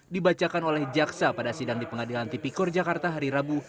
dibacakan oleh jaksa pada sidang di pengadilan tipikor jakarta hari rabu